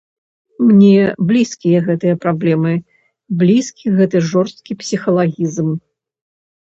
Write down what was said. Мне блізкія гэтыя праблемы, блізкі гэты жорсткі псіхалагізм.